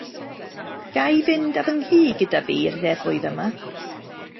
Ga i fynd â fy nghi gyda fi i'r nefoedd yma?